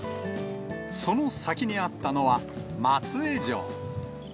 その先にあったのは、松江城。